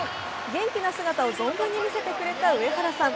元気な姿を存分に見せてくれた上原さん。